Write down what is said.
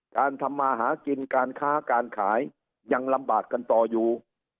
ทำมาหากินการค้าการขายยังลำบากกันต่ออยู่